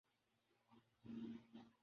آجکل لالہ کے بجائے ملالہ ملالہ ہوئی پھری ہے ۔